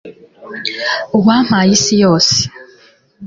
uwampaye isi yose